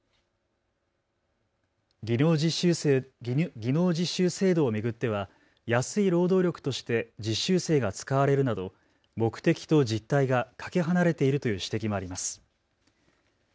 技能実習制度を巡っては安い労働力として実習生が使われるなど目的と実態がかけ離れているという指摘もあります。